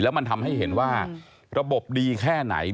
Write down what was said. มันทำให้เห็นว่าระบบดีแค่ไหน